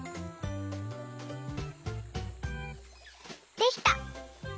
できた！